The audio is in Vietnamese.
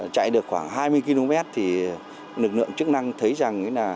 chạy được khoảng hai mươi km thì lực lượng chức năng thấy rằng là